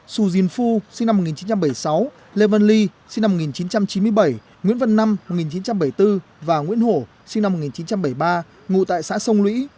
sù dìn phu sinh năm một nghìn chín trăm bảy mươi sáu lê văn ly sinh năm một nghìn chín trăm chín mươi bảy nguyễn văn năm một nghìn chín trăm bảy mươi bốn và nguyễn hổ sinh năm một nghìn chín trăm bảy mươi ba ngụ tại xã sông lũy